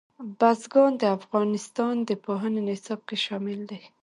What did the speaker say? بزګان د افغانستان د پوهنې نصاب کې شامل دي.